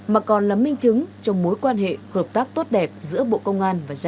mà còn là minh chứng trong mối quan hệ hợp tác tốt đẹp giữa bộ công an và jica